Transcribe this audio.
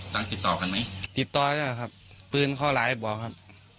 ต่างติดต่อกันไหมติดต่อได้ครับปืนเขาหลายบอกครับ